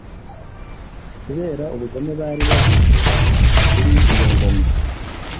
kubera ubugome bari bagize kuri iyo ngoma.